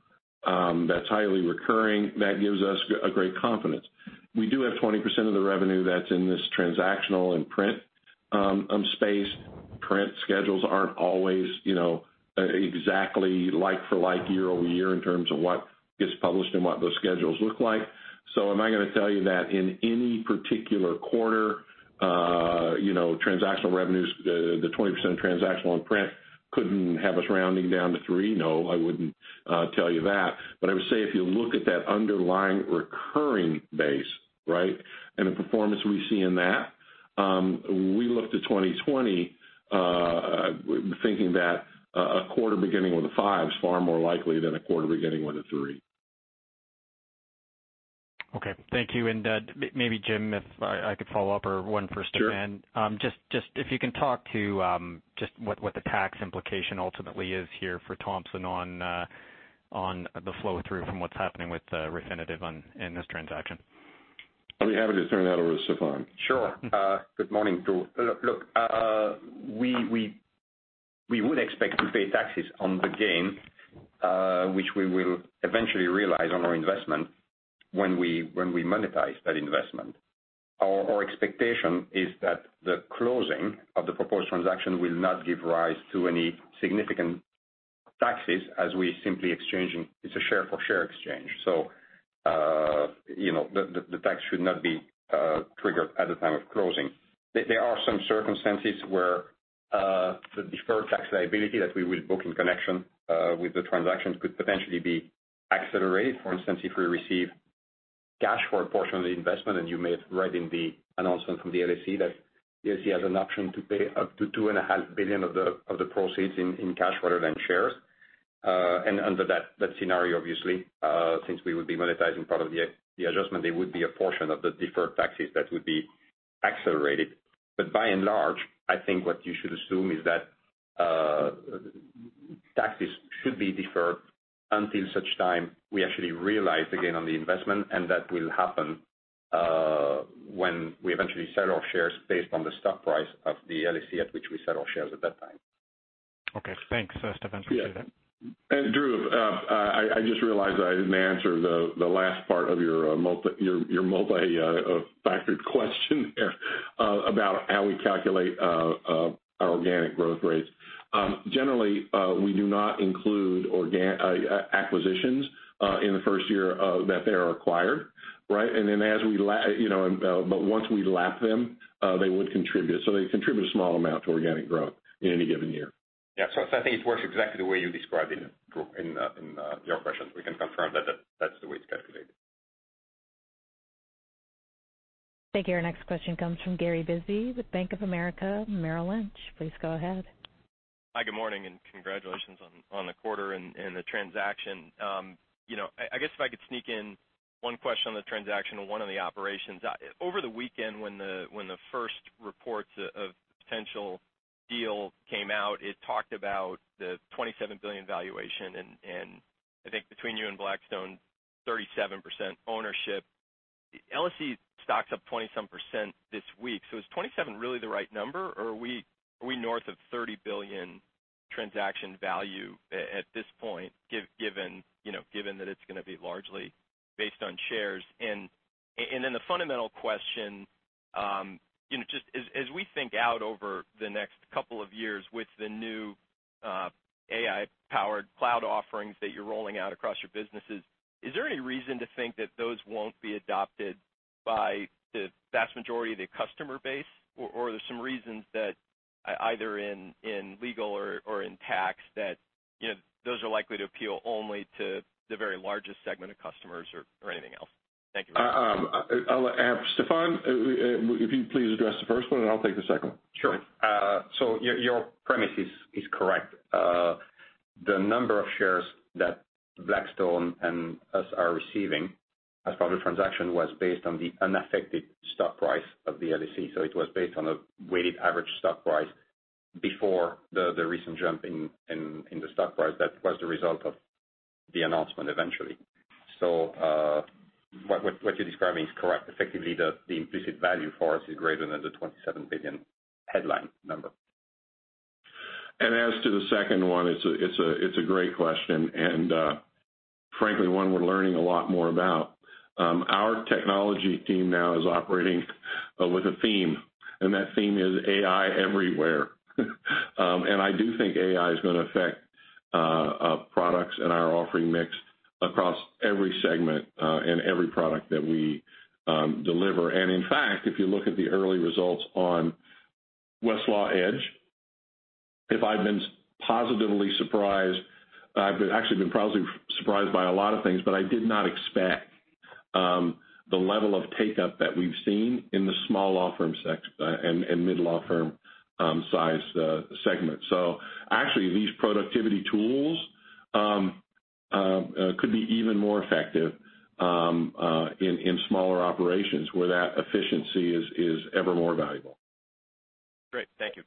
That's highly recurring. That gives us a great confidence. We do have 20% of the revenue that's in this transactional and print space. Print schedules aren't always exactly like for like, year over year in terms of what gets published and what those schedules look like. So am I going to tell you that in any particular quarter, transactional revenues, the 20% transactional and print couldn't have us rounding down to 3%? No, I wouldn't tell you that. But I would say if you look at that underlying recurring base, right, and the performance we see in that, we looked at 2020 thinking that a quarter beginning with a five is far more likely than a quarter beginning with a three. Okay. Thank you. And maybe, Jim, if I could follow up or one for Stephane. Just if you can talk to just what the tax implication ultimately is here for Thomson on the flow through from what's happening with Refinitiv in this transaction. I'll be happy to turn that over to Stephane. Sure. Good morning, Drew. Look, we would expect to pay taxes on the gain, which we will eventually realize on our investment when we monetize that investment. Our expectation is that the closing of the proposed transaction will not give rise to any significant taxes as we simply exchange. It's a share-for-share exchange. The tax should not be triggered at the time of closing. There are some circumstances where the deferred tax liability that we will book in connection with the transaction could potentially be accelerated. For instance, if we receive cash for a portion of the investment, and you made it right in the announcement from the LSE that the LSE has an option to pay up to $2.5 billion of the proceeds in cash rather than shares. And under that scenario, obviously, since we would be monetizing part of the adjustment, there would be a portion of the deferred taxes that would be accelerated. But by and large, I think what you should assume is that taxes should be deferred until such time we actually realize the gain on the investment, and that will happen when we eventually sell our shares based on the stock price of the LSE at which we sell our shares at that time. Okay. Thanks. Stefan, appreciate that. And Drew, I just realized I didn't answer the last part of your multi-factored question there about how we calculate our organic growth rates. Generally, we do not include acquisitions in the first year that they are acquired, right? And then as we but once we lap them, they would contribute. So they contribute a small amount to organic growth in any given year. Yeah. So I think it works exactly the way you described it in your questions. We can confirm that that's the way it's calculated. Thank you. Our next question comes from Gary Bisbee with Bank of America Merrill Lynch. Please go ahead. Hi. Good morning and congratulations on the quarter and the transaction. I guess if I could sneak in one question on the transaction of one of the operations. Over the weekend, when the first reports of potential deal came out, it talked about the $27 billion valuation, and I think between you and Blackstone, 37% ownership. LSE stocks up 20-some% this week. So is 27 really the right number, or are we north of $30 billion transaction value at this point, given that it's going to be largely based on shares? The fundamental question, just as we think out over the next couple of years with the new AI-powered cloud offerings that you're rolling out across your businesses, is there any reason to think that those won't be adopted by the vast majority of the customer base, or are there some reasons that either in legal or in tax that those are likely to appeal only to the very largest segment of customers or anything else? Thank you. Stéphane, if you please address the first one, and I'll take the second one. Sure. So your premise is correct. The number of shares that Blackstone and us are receiving as part of the transaction was based on the unaffected stock price of the LSE. So it was based on a weighted average stock price before the recent jump in the stock price that was the result of the announcement eventually. So what you're describing is correct. Effectively, the implicit value for us is greater than the $27 billion headline number. And as to the second one, it's a great question. And frankly, one we're learning a lot more about. Our technology team now is operating with a theme, and that theme is AI everywhere. And I do think AI is going to affect products and our offering mix across every segment and every product that we deliver. And in fact, if you look at the early results on Westlaw Edge, if I've been positively surprised, I've actually been positively surprised by a lot of things, but I did not expect the level of take-up that we've seen in the small law firms and mid-law firm size segment. So actually, these productivity tools could be even more effective in smaller operations where that efficiency is ever more valuable. Great. Thank you.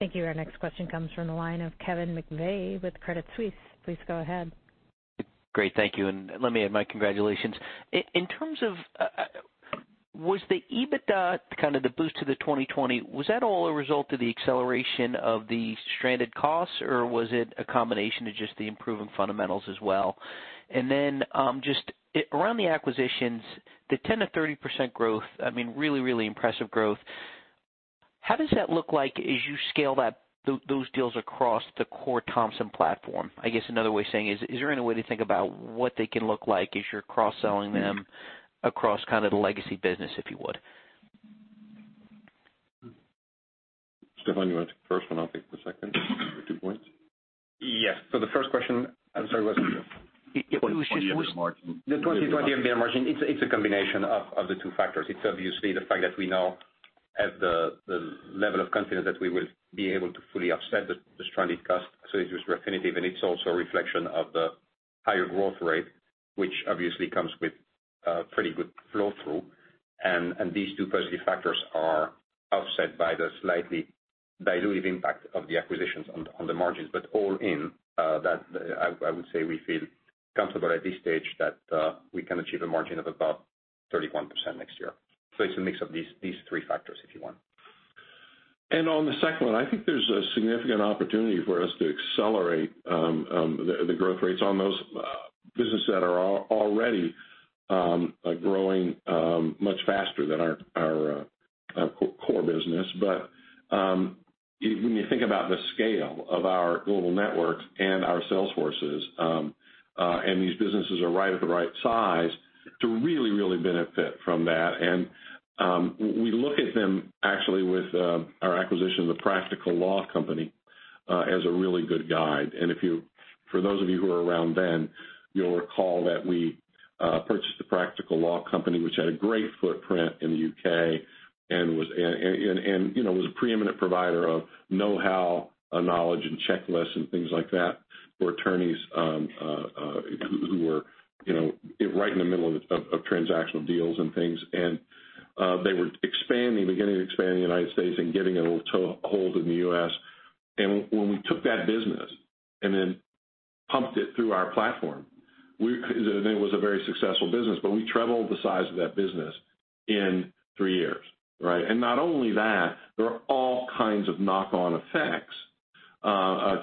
Thank you. Our next question comes from the line of Kevin McVeigh with Credit Suisse. Please go ahead. Great. Thank you. And let me add my congratulations. In terms of was the EBITDA, kind of the boost to the 2020, was that all a result of the acceleration of the stranded costs, or was it a combination of just the improving fundamentals as well? And then just around the acquisitions, the 10%-30% growth, I mean, really, really impressive growth. How does that look like as you scale those deals across the core Thomson platform? I guess another way of saying, is there any way to think about what they can look like as you're cross-selling them across kind of the legacy business, if you would? Stéphane, you went to the first one. I'll take the second. Two points. Yes. So the first question I'm sorry, what's the question? The 2020, it's a combination of the two factors. It's obviously the fact that we now have the level of confidence that we will be able to fully offset the stranded cost. So it's just Refinitiv, and it's also a reflection of the higher growth rate, which obviously comes with pretty good flow through. And these two positive factors are offset by the slightly dilutive impact of the acquisitions on the margins. But all in, I would say we feel comfortable at this stage that we can achieve a margin of about 31% next year. So it's a mix of these three factors, if you want. And on the second one, I think there's a significant opportunity for us to accelerate the growth rates on those businesses that are already growing much faster than our core business. But when you think about the scale of our global network and our sales forces, and these businesses are right at the right size to really, really benefit from that. And we look at them actually with our acquisition of the Practical Law Company as a really good guide. And for those of you who are around then, you'll recall that we purchased the Practical Law Company, which had a great footprint in the U.K. and was a preeminent provider of know-how, knowledge, and checklists and things like that for attorneys who were right in the middle of transactional deals and things. They were beginning to expand in the United States and getting a little hold in the U.S. When we took that business and then pumped it through our platform, it was a very successful business. We tripled the size of that business in three years, right? Not only that, there are all kinds of knock-on effects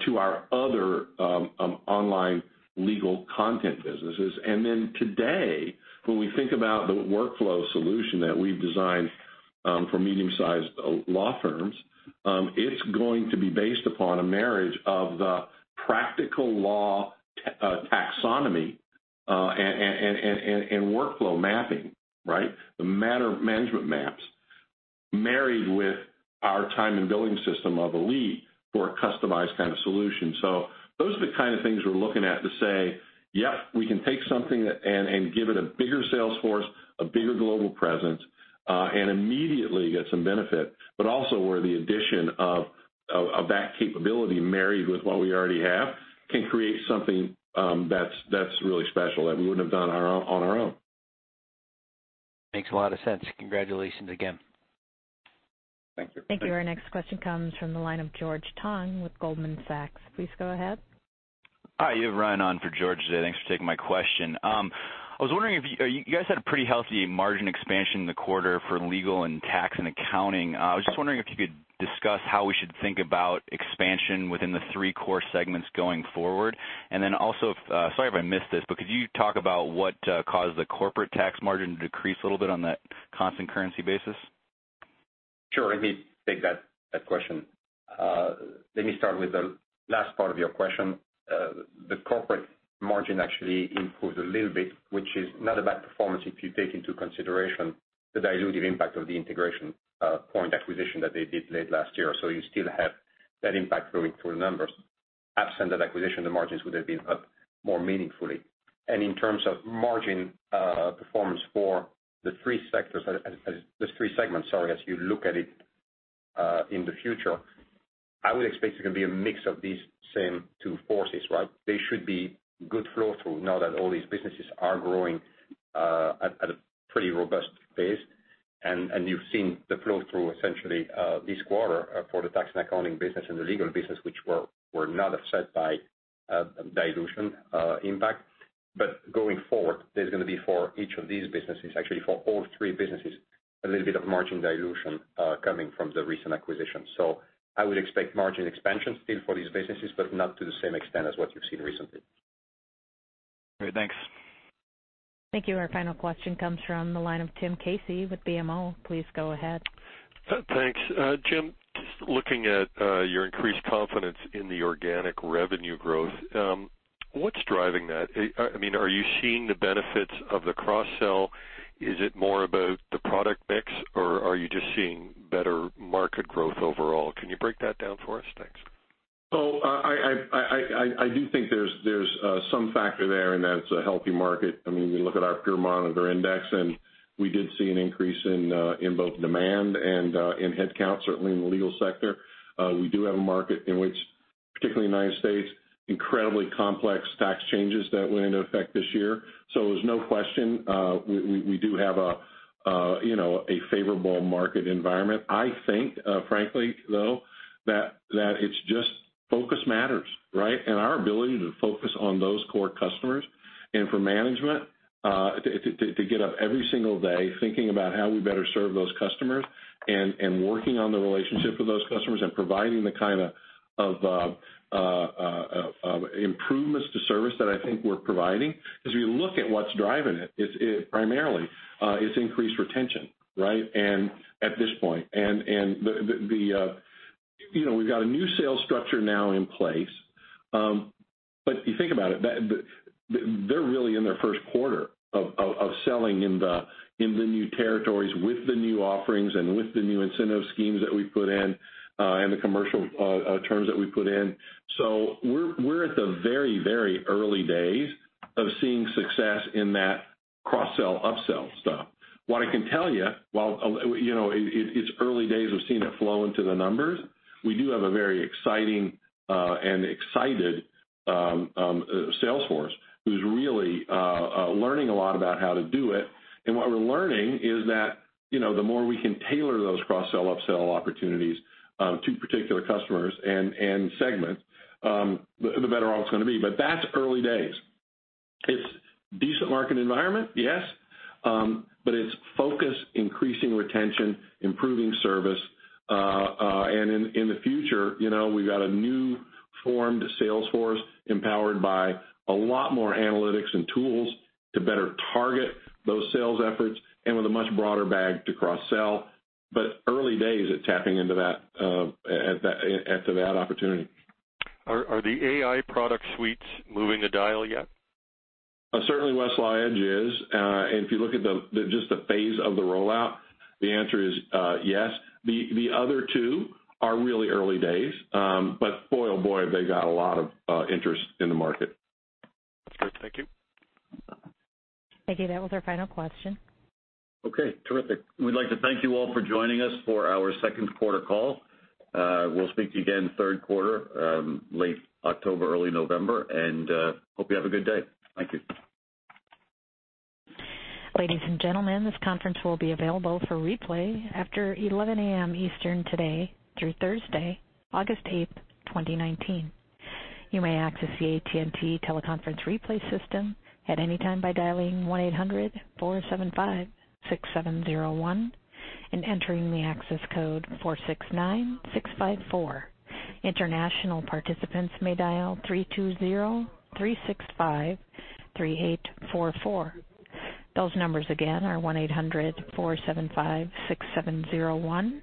to our other online legal content businesses. Today, when we think about the workflow solution that we've designed for medium-sized law firms, it's going to be based upon a marriage of the Practical Law taxonomy and workflow mapping, right? The matter management maps married with our time and billing system, Elite, for a customized kind of solution. So those are the kind of things we're looking at to say, "Yep, we can take something and give it a bigger sales force, a bigger global presence, and immediately get some benefit." But also where the addition of that capability married with what we already have can create something that's really special that we wouldn't have done on our own. Makes a lot of sense. Congratulations again. Thank you. Thank you. Our next question comes from the line of George Tong with Goldman Sachs. Please go ahead. Hi. You have Ryan on for George today. Thanks for taking my question. I was wondering if you guys had a pretty healthy margin expansion in the quarter for legal and tax and accounting. I was just wondering if you could discuss how we should think about expansion within the three core segments going forward. And then also, sorry if I missed this, but could you talk about what caused the corporate tax margin to decrease a little bit on that constant currency basis? Sure. Let me take that question. Let me start with the last part of your question. The corporate margin actually improved a little bit, which is not a bad performance if you take into consideration the dilutive impact of the Integration Point acquisition that they did late last year. So you still have that impact going through the numbers. Absent that acquisition, the margins would have been up more meaningfully. In terms of margin performance for the three sectors, the three segments, sorry, as you look at it in the future, I would expect it to be a mix of these same two forces, right? There should be good flow through now that all these businesses are growing at a pretty robust pace. And you've seen the flow through essentially this quarter for the tax and accounting business and the legal business, which were not offset by dilution impact. But going forward, there's going to be for each of these businesses, actually for all three businesses, a little bit of margin dilution coming from the recent acquisition. So I would expect margin expansion still for these businesses, but not to the same extent as what you've seen recently. Great. Thanks. Thank you. Our final question comes from the line of Tim Casey with BMO. Please go ahead. Thanks. Jim, just looking at your increased confidence in the organic revenue growth, what's driving that? I mean, are you seeing the benefits of the cross-sell? Is it more about the product mix, or are you just seeing better market growth overall? Can you break that down for us? Thanks. So I do think there's some factor there in that it's a healthy market. I mean, we look at our Peer Monitor Index, and we did see an increase in both demand and in headcount, certainly in the legal sector. We do have a market in which, particularly in the United States, incredibly complex tax changes that went into effect this year. So there's no question we do have a favorable market environment. I think, frankly, though, that it's just focus matters, right? Our ability to focus on those core customers and for management to get up every single day thinking about how we better serve those customers and working on the relationship with those customers and providing the kind of improvements to service that I think we're providing. Because if you look at what's driving it, primarily, it's increased retention, right? At this point. We've got a new sales structure now in place. You think about it, they're really in their first quarter of selling in the new territories with the new offerings and with the new incentive schemes that we put in and the commercial terms that we put in. We're at the very, very early days of seeing success in that cross-sell upsell stuff. What I can tell you, while it's early days, we've seen it flow into the numbers. We do have a very exciting and excited sales force who's really learning a lot about how to do it. And what we're learning is that the more we can tailor those cross-sell upsell opportunities to particular customers and segments, the better off it's going to be. But that's early days. It's a decent market environment, yes. But it's focus, increasing retention, improving service. And in the future, we've got a newly formed sales force empowered by a lot more analytics and tools to better target those sales efforts and with a much broader bag to cross-sell. But early days at tapping into that opportunity. Are the AI product suites moving the dial yet? Certainly, Westlaw Edge is. And if you look at just the phase of the rollout, the answer is yes. The other two are really early days. But boy, oh boy, they've got a lot of interest in the market. That's great. Thank you. Thank you. That was our final question. Okay. Terrific. We'd like to thank you all for joining us for our second quarter call. We'll speak to you again third quarter, late October, early November. And hope you have a good day. Thank you. Ladies and gentlemen, this conference will be available for replay after 11:00 A.M. Eastern today through Thursday, August 8th, 2019. You may access the AT&T teleconference replay system at any time by dialing 1-800-475-6701 and entering the access code 469654. International participants may dial 320-365-3844. Those numbers again are 1-800-475-6701.